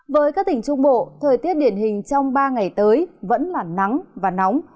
với các tỉnh trung bộ thời tiết điển hình trong ba ngày tới vẫn là nắng và nóng